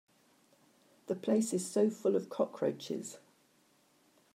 The place is so full of cockroaches.